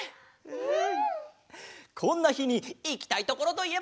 うん。